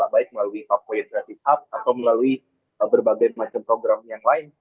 baik melalui pavoote gratis hub atau melalui berbagai macam program yang lain